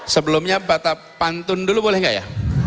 sebelumnya bata pantun dulu boleh nggak ya